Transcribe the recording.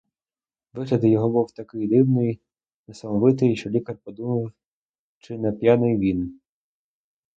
Вигляд його був такий дивний, несамовитий, що лікар подумав, чи не п'яний він.